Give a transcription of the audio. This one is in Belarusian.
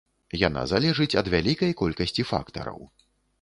Яна залежыць ад вялікай колькасці фактараў.